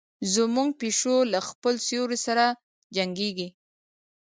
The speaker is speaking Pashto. زموږ پیشو له خپل سیوري سره جنګیږي.